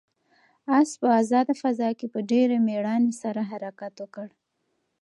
آس په آزاده فضا کې په ډېرې مېړانې سره حرکت وکړ.